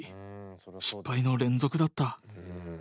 失敗の連続だった。